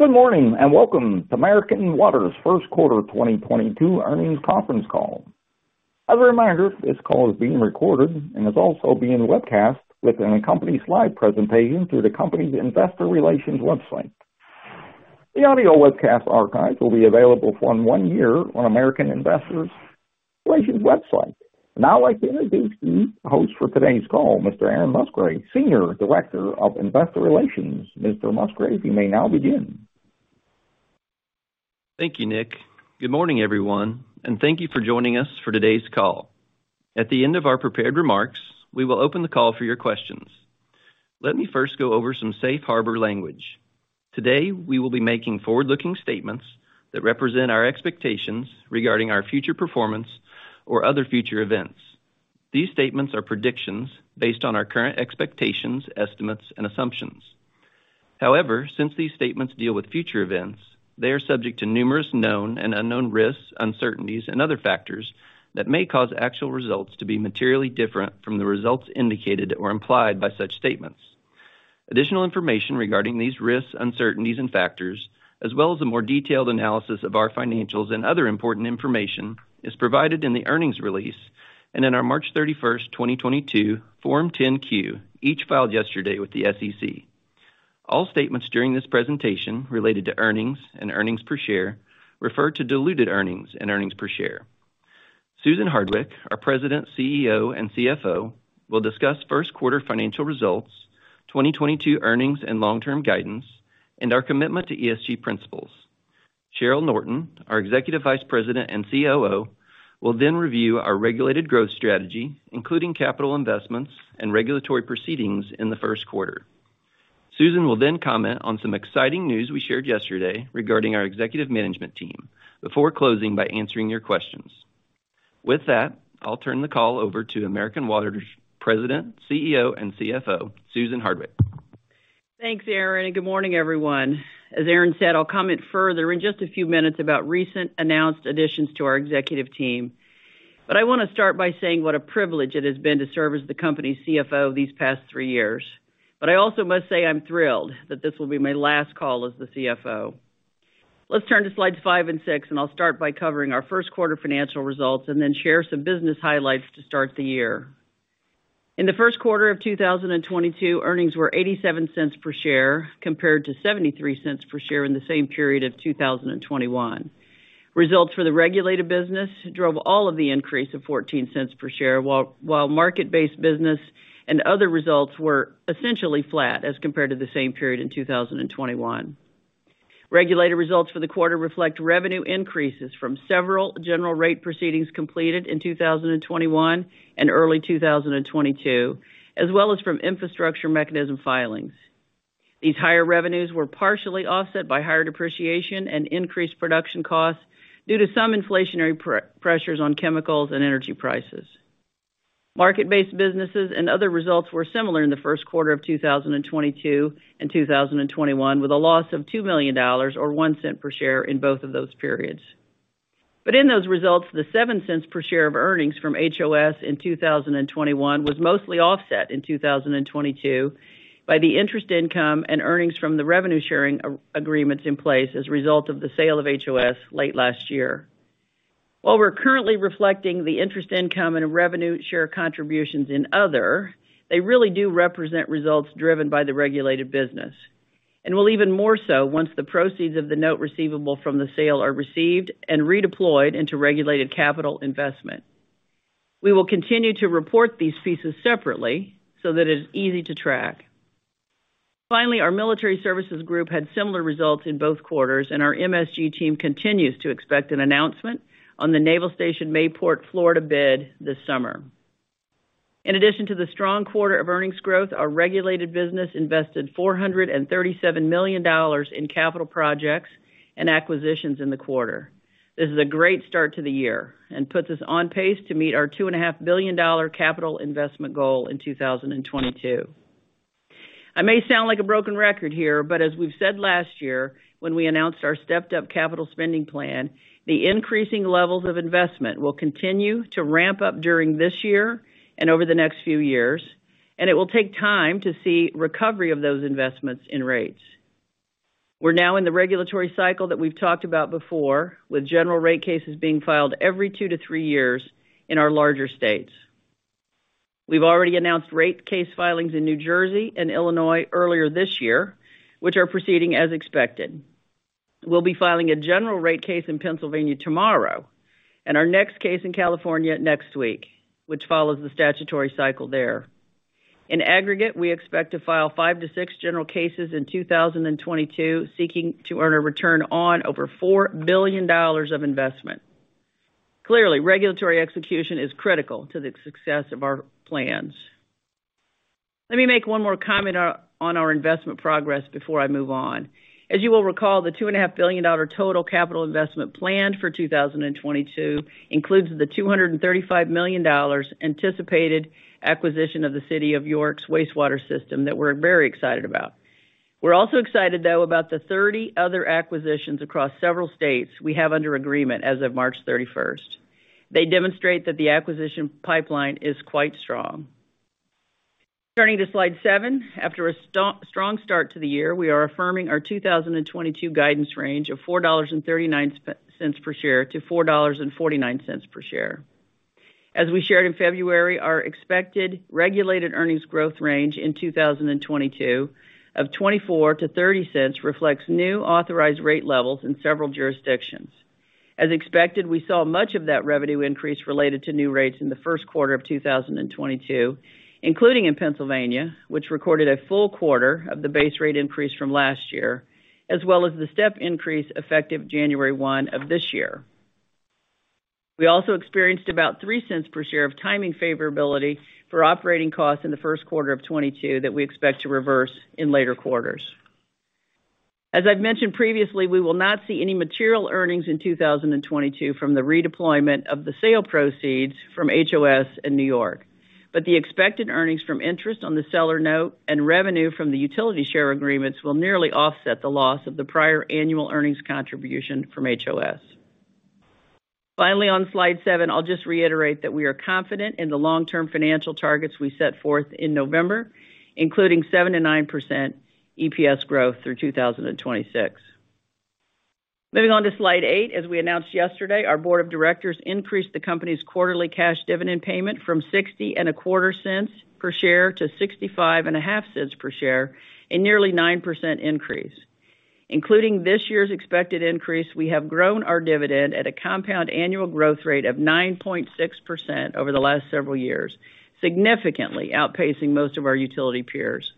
Good morning, and welcome to American Water's first quarter 2022 earnings conference call. As a reminder, this call is being recorded and is also being webcast with an accompanying slide presentation through the company's investor relations website. The audio webcast archive will be available for one year on American Water Investor Relations website. Now I'd like to introduce the host for today's call, Mr. Aaron Musgrave, Senior Director of Investor Relations. Mr. Musgrave, you may now begin. Thank you, Nick. Good morning, everyone, and thank you for joining us for today's call. At the end of our prepared remarks, we will open the call for your questions. Let me first go over some safe harbor language. Today, we will be making forward-looking statements that represent our expectations regarding our future performance or other future events. These statements are predictions based on our current expectations, estimates, and assumptions. However, since these statements deal with future events, they are subject to numerous known and unknown risks, uncertainties, and other factors that may cause actual results to be materially different from the results indicated or implied by such statements. Additional information regarding these risks, uncertainties and factors, as well as a more detailed analysis of our financials and other important information is provided in the earnings release and in our March 31, 2022 Form 10-Q, each filed yesterday with the SEC. All statements during this presentation related to earnings and earnings per share refer to diluted earnings and earnings per share. Susan Hardwick, our President, CEO, and CFO, will discuss first quarter financial results, 2022 earnings and long-term guidance, and our commitment to ESG principles. Cheryl Norton, our Executive Vice President and COO, will then review our regulated growth strategy, including capital investments and regulatory proceedings in the first quarter. Susan will then comment on some exciting news we shared yesterday regarding our executive management team before closing by answering your questions. With that, I'll turn the call over to American Water's President, CEO, and CFO, Susan Hardwick. Thanks, Aaron, and good morning, everyone. As Aaron said, I'll comment further in just a few minutes about recent announced additions to our executive team. I wanna start by saying what a privilege it has been to serve as the company's CFO these past 3 years. I also must say I'm thrilled that this will be my last call as the CFO. Let's turn to Slides five and six, and I'll start by covering our first quarter financial results and then share some business highlights to start the year. In the first quarter of 2022, earnings were $0.87 per share, compared to $0.73 per share in the same period of 2021. Results for the regulated business drove all of the increase of $0.14 per share, while market-based business and other results were essentially flat as compared to the same period in 2021. Regulated results for the quarter reflect revenue increases from several general rate proceedings completed in 2021 and early 2022, as well as from infrastructure mechanism filings. These higher revenues were partially offset by higher depreciation and increased production costs due to some inflationary pressures on chemicals and energy prices. Market-based businesses and other results were similar in the first quarter of 2022 and 2021, with a loss of $2 million or $0.01 per share in both of those periods. In those results, the $0.07 per share of earnings from HOS in 2021 was mostly offset in 2022 by the interest income and earnings from the revenue-sharing agreements in place as a result of the sale of HOS late last year. While we're currently reflecting the interest income and revenue share contributions in other, they really do represent results driven by the regulated business. Will even more so once the proceeds of the note receivable from the sale are received and redeployed into regulated capital investment. We will continue to report these pieces separately so that it's easy to track. Finally, our military services group had similar results in both quarters, and our MSG team continues to expect an announcement on the Naval Station Mayport, Florida bid this summer. In addition to the strong quarter of earnings growth, our regulated business invested $437 million in capital projects and acquisitions in the quarter. This is a great start to the year and puts us on pace to meet our $2.5 billion capital investment goal in 2022. I may sound like a broken record here, but as we've said last year when we announced our stepped up capital spending plan, the increasing levels of investment will continue to ramp up during this year and over the next few years, and it will take time to see recovery of those investments in rates. We're now in the regulatory cycle that we've talked about before, with general rate cases being filed every two to three years in our larger states. We've already announced rate case filings in New Jersey and Illinois earlier this year, which are proceeding as expected. We'll be filing a general rate case in Pennsylvania tomorrow and our next case in California next week, which follows the statutory cycle there. In aggregate, we expect to file 5-6 general cases in 2022, seeking to earn a return on over $4 billion of investment. Clearly, regulatory execution is critical to the success of our plans. Let me make one more comment on our investment progress before I move on. As you will recall, the $2.5 billion total capital investment planned for 2022 includes the $235 million anticipated acquisition of the City of York's wastewater system that we're very excited about. We're also excited, though, about the 30 other acquisitions across several states we have under agreement as of March 31. They demonstrate that the acquisition pipeline is quite strong. Turning to Slide seven. After a strong start to the year, we are affirming our 2022 guidance range of $4.39 per share to $4.49 per share. As we shared in February, our expected regulated earnings growth range in 2022 of $0.24-$0.30 reflects new authorized rate levels in several jurisdictions. As expected, we saw much of that revenue increase related to new rates in the first quarter of 2022, including in Pennsylvania, which recorded a full quarter of the base rate increase from last year, as well as the step increase effective January 1 of this year. We also experienced about $0.03 per share of timing favorability for operating costs in the first quarter of 2022 that we expect to reverse in later quarters. As I've mentioned previously, we will not see any material earnings in 2022 from the redeployment of the sale proceeds from HOS in New York. The expected earnings from interest on the seller note and revenue from the utility share agreements will nearly offset the loss of the prior annual earnings contribution from HOS. Finally, on Slide seven, I'll just reiterate that we are confident in the long-term financial targets we set forth in November, including 7%-9% EPS growth through 2026. Moving on to Slide eight, as we announced yesterday, our board of directors increased the company's quarterly cash dividend payment from $0.6025 per share to $0.6575 per share, a nearly 9% increase. Including this year's expected increase, we have grown our dividend at a compound annual growth rate of 9.6% over the last several years, significantly outpacing most of our utility peers.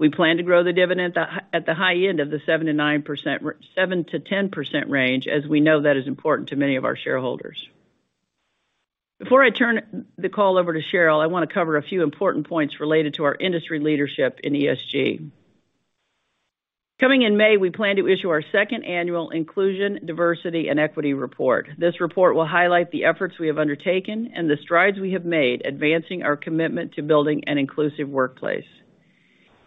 We plan to grow the dividend at the high end of the 7%-10% range, as we know that is important to many of our shareholders. Before I turn the call over to Cheryl, I want to cover a few important points related to our industry leadership in ESG. Coming in May, we plan to issue our second annual Inclusion, Diversity and Equity Report. This report will highlight the efforts we have undertaken and the strides we have made advancing our commitment to building an inclusive workplace.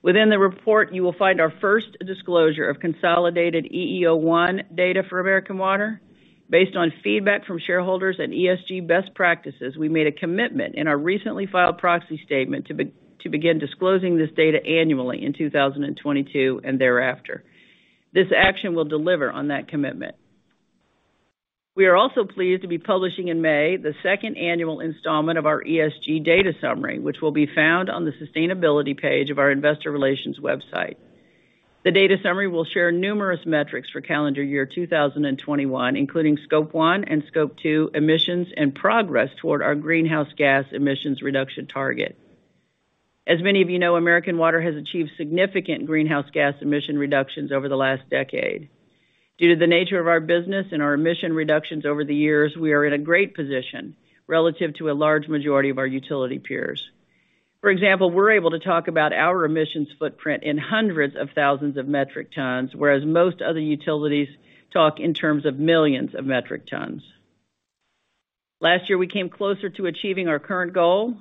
Within the report, you will find our first disclosure of consolidated EEO1 data for American Water. Based on feedback from shareholders and ESG best practices, we made a commitment in our recently filed proxy statement to begin disclosing this data annually in 2022 and thereafter. This action will deliver on that commitment. We are also pleased to be publishing in May the second annual installment of our ESG data summary, which will be found on the sustainability page of our investor relations website. The data summary will share numerous metrics for calendar year 2021, including Scope 1 and Scope 2 emissions and progress toward our greenhouse gas emissions reduction target. As many of you know, American Water has achieved significant greenhouse gas emission reductions over the last decade. Due to the nature of our business and our emission reductions over the years, we are in a great position relative to a large majority of our utility peers. For example, we're able to talk about our emissions footprint in hundreds of thousands of metric tons, whereas most other utilities talk in terms of millions of metric tons. Last year, we came closer to achieving our current goal.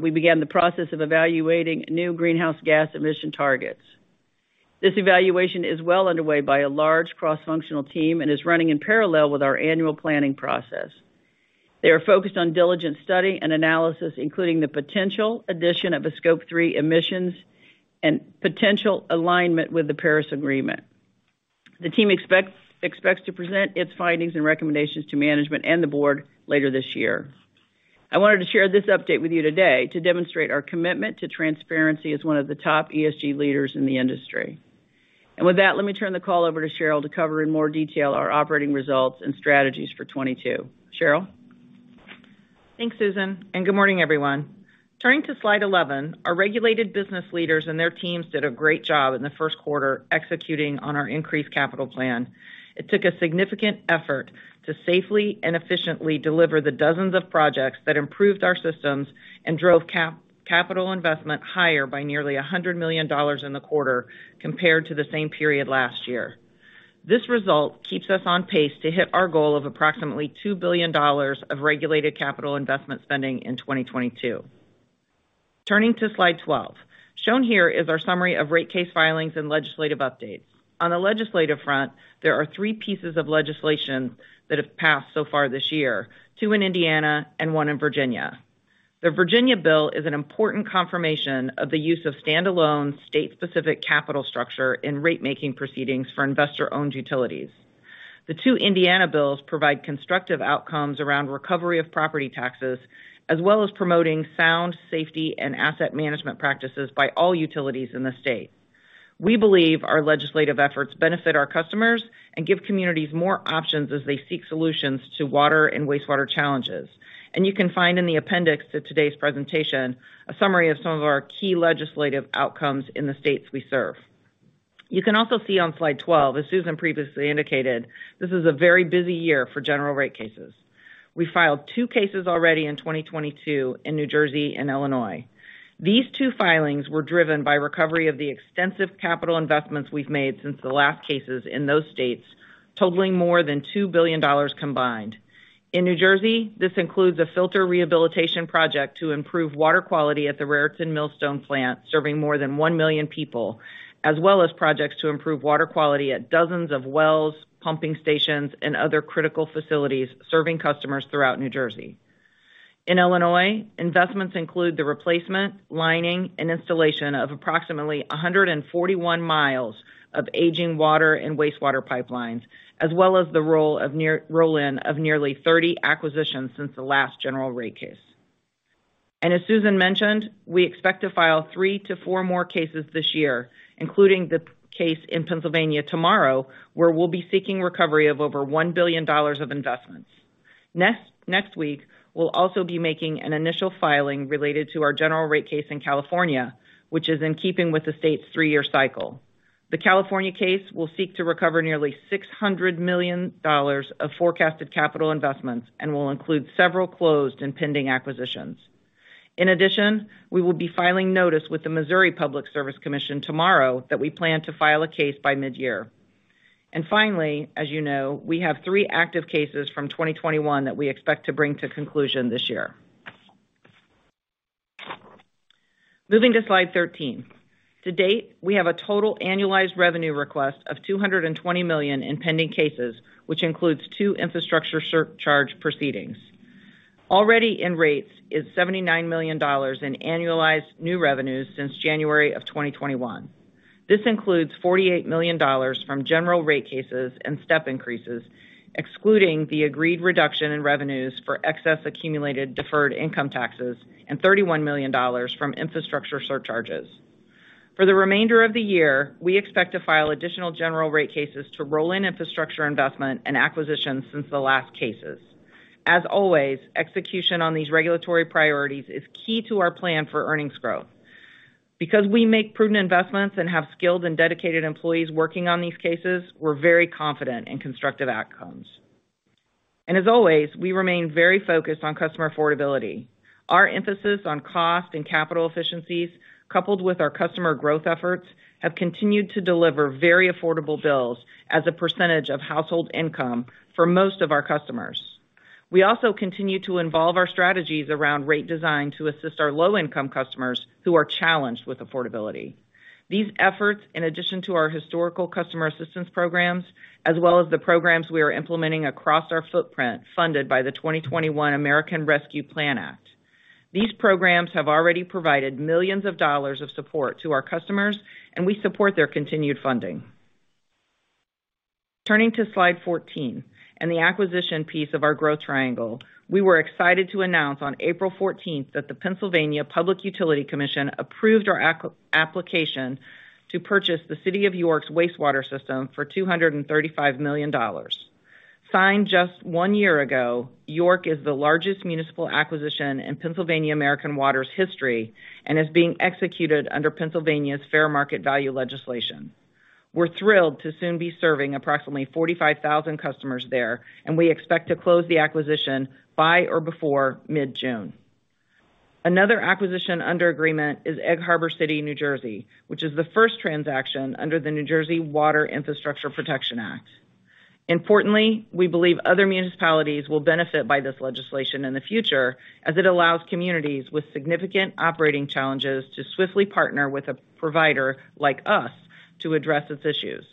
We began the process of evaluating new greenhouse gas emission targets. This evaluation is well underway by a large cross-functional team and is running in parallel with our annual planning process. They are focused on diligent study and analysis, including the potential addition of a Scope 3 emissions and potential alignment with the Paris Agreement. The team expects to present its findings and recommendations to management and the board later this year. I wanted to share this update with you today to demonstrate our commitment to transparency as one of the top ESG leaders in the industry. With that, let me turn the call over to Cheryl to cover in more detail our operating results and strategies for 2022. Cheryl? Thanks, Susan, and good morning, everyone. Turning to Slide 11, our regulated business leaders and their teams did a great job in the first quarter executing on our increased capital plan. It took a significant effort to safely and efficiently deliver the dozens of projects that improved our systems and drove capital investment higher by nearly $100 million in the quarter compared to the same period last year. This result keeps us on pace to hit our goal of approximately $2 billion of regulated capital investment spending in 2022. Turning to Slide 12. Shown here is our summary of rate case filings and legislative updates. On the legislative front, there are 3 pieces of legislation that have passed so far this year, 2 in Indiana and 1 in Virginia. The Virginia bill is an important confirmation of the use of standalone state-specific capital structure in rate-making proceedings for investor-owned utilities. The two Indiana bills provide constructive outcomes around recovery of property taxes, as well as promoting sound safety and asset management practices by all utilities in the state. We believe our legislative efforts benefit our customers and give communities more options as they seek solutions to water and wastewater challenges. You can find in the appendix to today's presentation a summary of some of our key legislative outcomes in the states we serve. You can also see on Slide 12, as Susan previously indicated, this is a very busy year for general rate cases. We filed two cases already in 2022 in New Jersey and Illinois. These two filings were driven by recovery of the extensive capital investments we've made since the last cases in those states, totaling more than $2 billion combined. In New Jersey, this includes a filter rehabilitation project to improve water quality at the Raritan Millstone plant, serving more than 1 million people, as well as projects to improve water quality at dozens of wells, pumping stations, and other critical facilities serving customers throughout New Jersey. In Illinois, investments include the replacement, lining, and installation of approximately 141 miles of aging water and wastewater pipelines, as well as the roll-in of nearly 30 acquisitions since the last general rate case. As Susan mentioned, we expect to file 3-4 more cases this year, including the case in Pennsylvania tomorrow, where we'll be seeking recovery of over $1 billion of investments. Next week, we'll also be making an initial filing related to our general rate case in California, which is in keeping with the state's three-year cycle. The California case will seek to recover nearly $600 million of forecasted capital investments and will include several closed and pending acquisitions. In addition, we will be filing notice with the Missouri Public Service Commission tomorrow that we plan to file a case by mid-year. Finally, as you know, we have three active cases from 2021 that we expect to bring to conclusion this year. Moving to Slide 13. To date, we have a total annualized revenue request of $220 million in pending cases, which includes two infrastructure surcharge proceedings. Already in rates is $79 million in annualized new revenues since January 2021. This includes $48 million from general rate cases and step increases, excluding the agreed reduction in revenues for excess accumulated deferred income taxes and $31 million from infrastructure surcharges. For the remainder of the year, we expect to file additional general rate cases to roll in infrastructure investment and acquisitions since the last cases. As always, execution on these regulatory priorities is key to our plan for earnings growth. Because we make prudent investments and have skilled and dedicated employees working on these cases, we're very confident in constructive outcomes. We remain very focused on customer affordability. Our emphasis on cost and capital efficiencies, coupled with our customer growth efforts, have continued to deliver very affordable bills as a percentage of household income for most of our customers. We also continue to involve our strategies around rate design to assist our low-income customers who are challenged with affordability. These efforts, in addition to our historical customer assistance programs as well as the programs we are implementing across our footprint funded by the 2021 American Rescue Plan Act. These programs have already provided $millions of support to our customers, and we support their continued funding. Turning to Slide 14 and the acquisition piece of our growth triangle. We were excited to announce on April 14 that the Pennsylvania Public Utility Commission approved our acquisition application to purchase the City of York's wastewater system for $235 million. Signed just 1 year ago, York is the largest municipal acquisition in Pennsylvania American Water's history and is being executed under Pennsylvania's fair market value legislation. We're thrilled to soon be serving approximately 45,000 customers there, and we expect to close the acquisition by or before mid-June. Another acquisition under agreement is Egg Harbor City, New Jersey, which is the first transaction under the New Jersey Water Infrastructure Protection Act. Importantly, we believe other municipalities will benefit by this legislation in the future as it allows communities with significant operating challenges to swiftly partner with a provider like us to address its issues.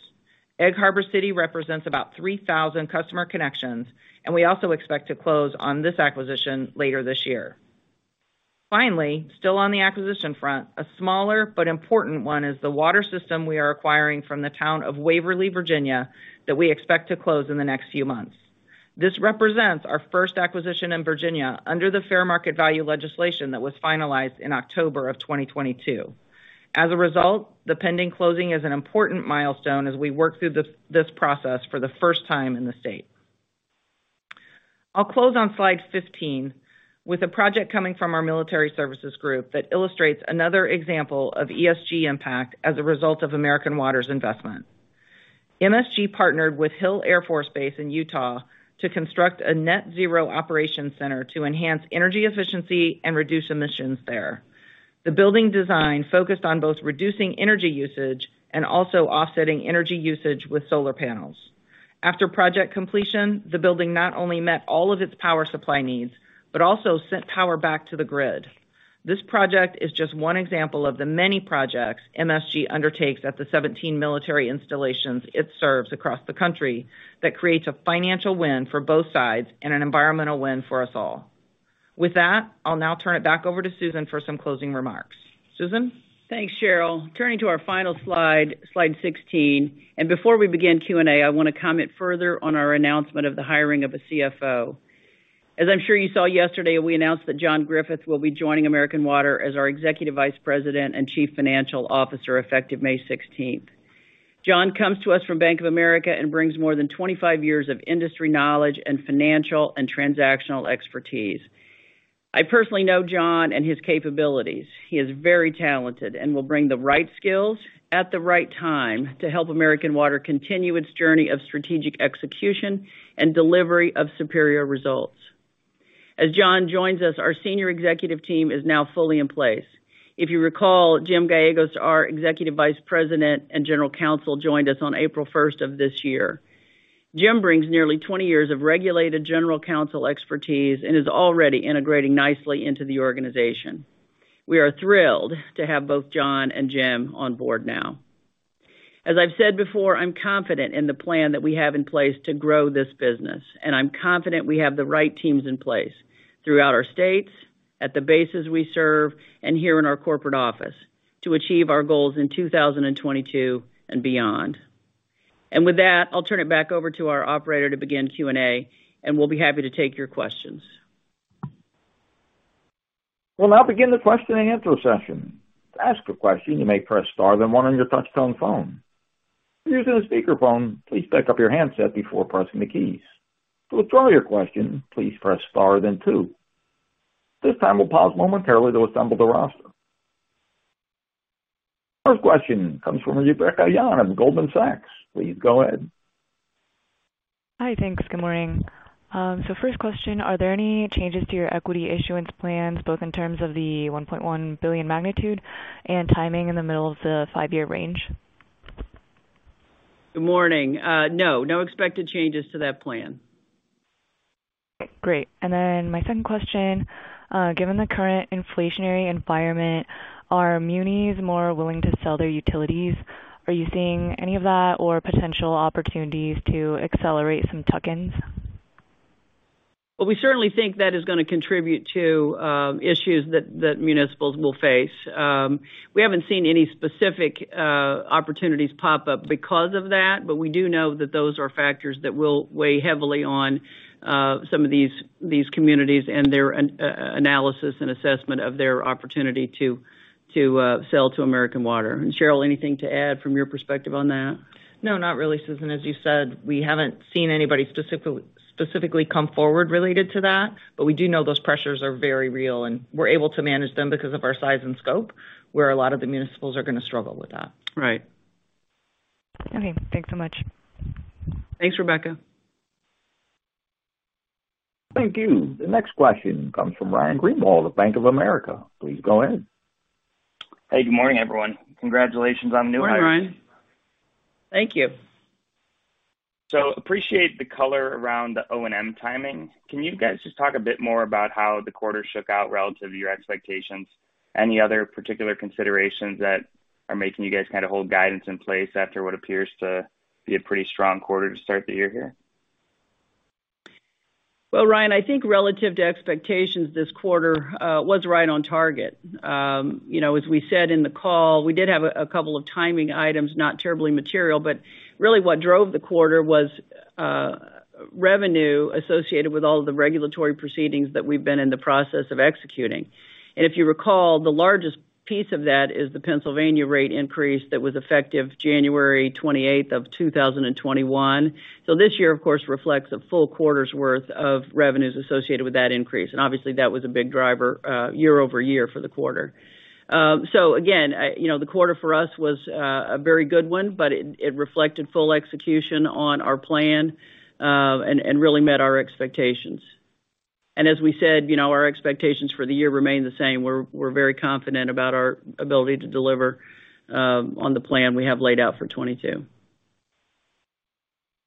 Egg Harbor City represents about 3,000 customer connections, and we also expect to close on this acquisition later this year. Finally, still on the acquisition front, a smaller but important one is the water system we are acquiring from the town of Waverly, Virginia, that we expect to close in the next few months. This represents our first acquisition in Virginia under the fair market value legislation that was finalized in October 2022. As a result, the pending closing is an important milestone as we work through this process for the first time in the state. I'll close on Slide 15 with a project coming from our military services group that illustrates another example of ESG impact as a result of American Water's investment. MSG partnered with Hill Air Force Base in Utah to construct a net zero operations center to enhance energy efficiency and reduce emissions there. The building design focused on both reducing energy usage and also offsetting energy usage with solar panels. After project completion, the building not only met all of its power supply needs, but also sent power back to the grid. This project is just one example of the many projects MSG undertakes at the 17 military installations it serves across the country that creates a financial win for both sides and an environmental win for us all. With that, I'll now turn it back over to Susan for some closing remarks. Susan? Thanks, Cheryl. Turning to our final Slide 16, before we begin Q&A, I want to comment further on our announcement of the hiring of a CFO. As I'm sure you saw yesterday, we announced that John Griffith will be joining American Water as our Executive Vice President and Chief Financial Officer, effective May 16. John comes to us from Bank of America and brings more than 25 years of industry knowledge and financial and transactional expertise. I personally know John and his capabilities. He is very talented and will bring the right skills at the right time to help American Water continue its journey of strategic execution and delivery of superior results. As John joins us, our senior executive team is now fully in place. If you recall, Jim Gallegos, our Executive Vice President and General Counsel, joined us on April 1 of this year. Jim brings nearly 20 years of regulated general counsel expertise and is already integrating nicely into the organization. We are thrilled to have both John and Jim on board now. As I've said before, I'm confident in the plan that we have in place to grow this business, and I'm confident we have the right teams in place throughout our states, at the bases we serve, and here in our corporate office to achieve our goals in 2022 and beyond. With that, I'll turn it back over to our operator to begin Q&A, and we'll be happy to take your questions. We'll now begin the question-and-answer session. To ask a question, you may press star then one on your touchtone phone. If you're using a speakerphone, please pick up your handset before pressing the keys. To withdraw your question, please press star then two. At this time, we'll pause momentarily to assemble the roster. First question comes from Rebecca Yuan of Goldman Sachs. Please go ahead. Hi. Thanks. Good morning. First question, are there any changes to your equity issuance plans, both in terms of the $1.1 billion magnitude and timing in the middle of the five-year range? Good morning. No expected changes to that plan. Great. My second question, given the current inflationary environment, are munis more willing to sell their utilities? Are you seeing any of that or potential opportunities to accelerate some tuck-ins? Well, we certainly think that is gonna contribute to issues that municipals will face. We haven't seen any specific opportunities pop up because of that, but we do know that those are factors that will weigh heavily on some of these communities and their analysis and assessment of their opportunity to sell to American Water. Cheryl, anything to add from your perspective on that? No, not really, Susan. As you said, we haven't seen anybody specifically come forward related to that, but we do know those pressures are very real, and we're able to manage them because of our size and scope, where a lot of the municipals are gonna struggle with that. Right. Okay. Thanks so much. Thanks, Rebecca. Thank you. The next question comes from Ryan Greenwald of Bank of America. Please go ahead. Hey, good morning, everyone. Congratulations on the new hire. Good morning. Thank you. Appreciate the color around the O&M timing. Can you guys just talk a bit more about how the quarter shook out relative to your expectations? Any other particular considerations that are making you guys kind of hold guidance in place after what appears to be a pretty strong quarter to start the year here? Well, Ryan, I think relative to expectations this quarter was right on target. You know, as we said in the call, we did have a couple of timing items, not terribly material, but really what drove the quarter was revenue associated with all of the regulatory proceedings that we've been in the process of executing. If you recall, the largest piece of that is the Pennsylvania rate increase that was effective January twenty-eighth of two thousand and twenty-one. This year, of course, reflects a full quarter's worth of revenues associated with that increase. Obviously, that was a big driver year-over-year for the quarter. Again, you know, the quarter for us was a very good one, but it reflected full execution on our plan and really met our expectations. As we said, you know, our expectations for the year remain the same. We're very confident about our ability to deliver on the plan we have laid out for 2022.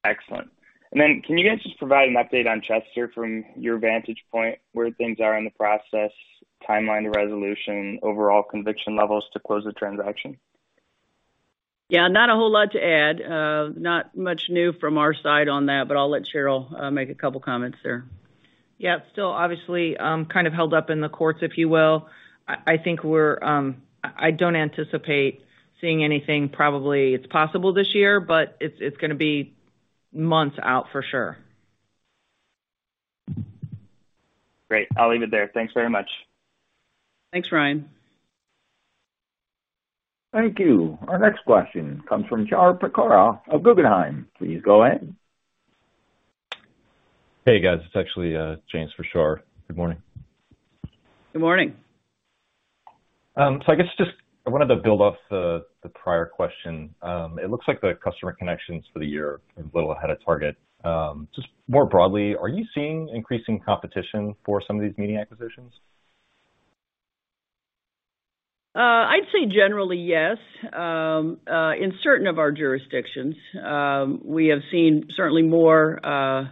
Excellent. Can you guys just provide an update on Chester from your vantage point, where things are in the process, timeline to resolution, overall conviction levels to close the transaction? Yeah, not a whole lot to add. Not much new from our side on that, but I'll let Cheryl make a couple comments there. Yeah. It's still obviously kind of held up in the courts, if you will. I don't anticipate seeing anything, probably. It's possible this year, but it's gonna be months out for sure. Great. I'll leave it there. Thanks very much. Thanks, Ryan. Thank you. Our next question comes from Shahriar Pourreza of Guggenheim. Please go ahead. Hey, guys. It's actually James for Shar. Good morning. Good morning. I guess just I wanted to build off the prior question. Just more broadly, are you seeing increasing competition for some of these muni acquisitions? I'd say generally yes. In certain of our jurisdictions, we have seen certainly more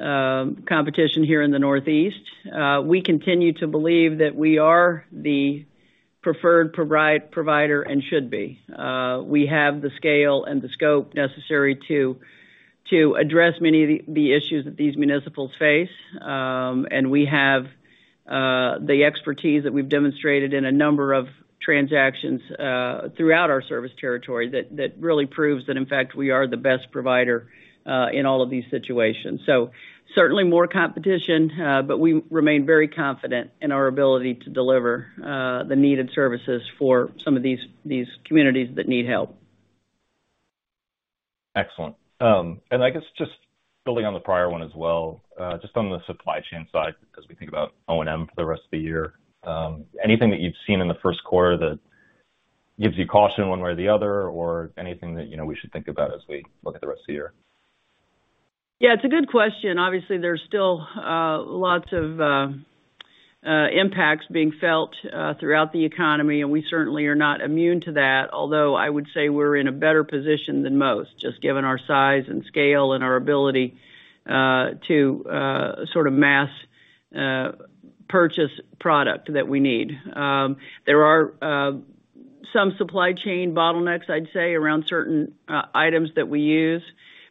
competition here in the Northeast. We continue to believe that we are the preferred provider, and should be. We have the scale and the scope necessary to address many of the issues that these municipals face. We have the expertise that we've demonstrated in a number of transactions throughout our service territory that really proves that in fact, we are the best provider in all of these situations. Certainly more competition, but we remain very confident in our ability to deliver the needed services for some of these communities that need help. Excellent. I guess just building on the prior one as well, just on the supply chain side as we think about O&M for the rest of the year, anything that you've seen in the first quarter that gives you caution one way or the other or anything that, you know, we should think about as we look at the rest of the year? Yeah, it's a good question. Obviously, there's still lots of impacts being felt throughout the economy, and we certainly are not immune to that. Although, I would say we're in a better position than most, just given our size and scale and our ability to sort of mass purchase product that we need. There are some supply chain bottlenecks, I'd say, around certain items that we use,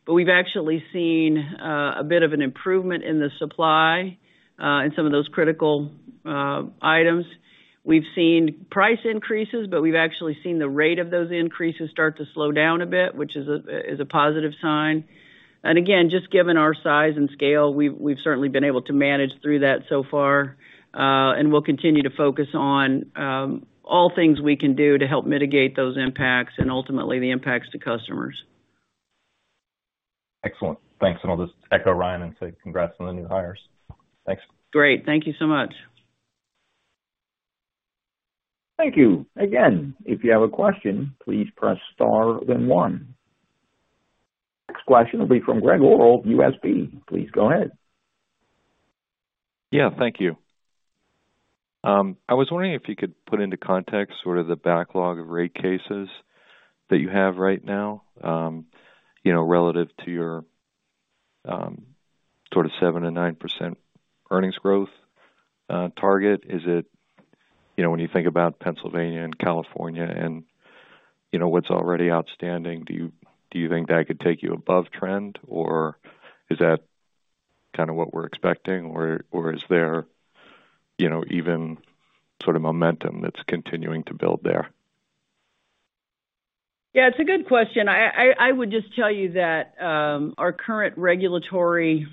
but we've actually seen a bit of an improvement in the supply in some of those critical items. We've seen price increases, but we've actually seen the rate of those increases start to slow down a bit, which is a positive sign. Again, just given our size and scale, we've certainly been able to manage through that so far. We'll continue to focus on all things we can do to help mitigate those impacts and ultimately the impacts to customers. Excellent. Thanks. I'll just echo Ryan and say congrats on the new hires. Thanks. Great. Thank you so much. Thank you. Again, if you have a question, please press star, then one. Next question will be from Gregg Orrill, UBS. Please go ahead. Yeah, thank you. I was wondering if you could put into context sort of the backlog of rate cases that you have right now, you know, relative to your sort of 7%-9% earnings growth target. You know, when you think about Pennsylvania and California and, you know, what's already outstanding, do you think that could take you above trend? Or is that kind of what we're expecting? Or is there, you know, even sort of momentum that's continuing to build there? Yeah, it's a good question. I would just tell you that our current regulatory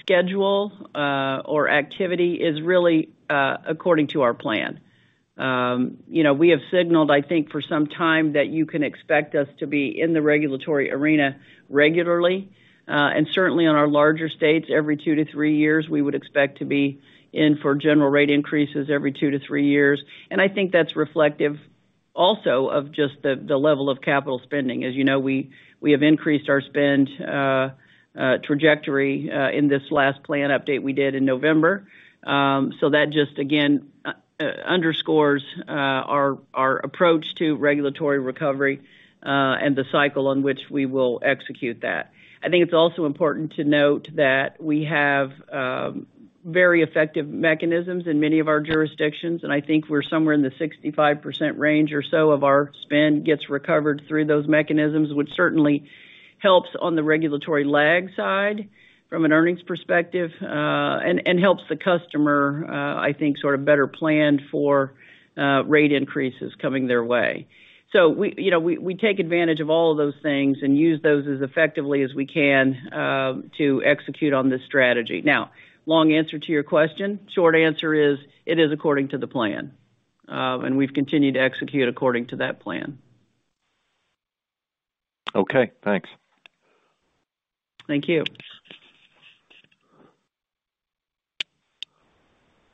schedule or activity is really according to our plan. You know, we have signaled, I think, for some time that you can expect us to be in the regulatory arena regularly. Certainly on our larger states, every 2-3 years, we would expect to be in for general rate increases every 2-3 years. I think that's reflective also of just the level of capital spending. As you know, we have increased our spend trajectory in this last plan update we did in November. That just again underscores our approach to regulatory recovery and the cycle on which we will execute that. I think it's also important to note that we have very effective mechanisms in many of our jurisdictions, and I think we're somewhere in the 65% range or so of our spend gets recovered through those mechanisms, which certainly helps on the regulatory lag side from an earnings perspective, and helps the customer, I think, sort of better plan for rate increases coming their way. We, you know, take advantage of all of those things and use those as effectively as we can to execute on this strategy. Now, long answer to your question. Short answer is, it is according to the plan. We've continued to execute according to that plan. Okay, thanks. Thank you.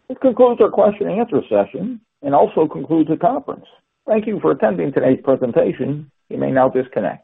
This concludes our question-and-answer session an d also concludes the conference. Thank you for attending today's presentation. You may now disconnect.